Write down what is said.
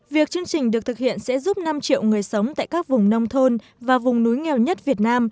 việc chương trình được thực hiện sẽ giúp năm triệu người sống tại các vùng nông thôn và vùng núi nghèo nhất việt nam